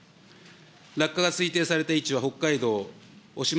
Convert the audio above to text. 落下が推定された位置は北海道おしま